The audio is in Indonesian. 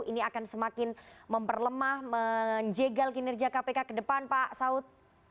ini akan semakin memperlemah menjegal kinerja kpk ke depan pak saud